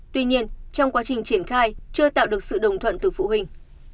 tuy nhiên trong quá trình triển khai chưa tạo được sự đồng thuận từ phụ huynh